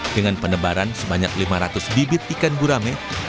dengan penebaran sebanyak lima ratus bibit ikan burame untuk menjaga ekstrim